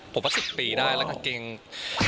ผมว่าสิบปีได้แล้วก็กางเกงยังยืด